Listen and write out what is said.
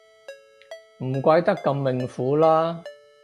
唔怪得咁命苦啦